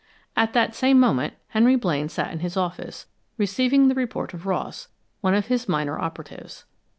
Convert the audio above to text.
At that same moment Henry Blaine sat in his office, receiving the report of Ross, one of his minor operatives.